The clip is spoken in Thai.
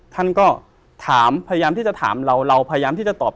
ท่านก็ถามพยายามที่จะถามเราเราพยายามที่จะตอบ